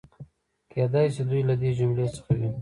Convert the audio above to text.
کېدای شي دوی له دې جملې څخه وي.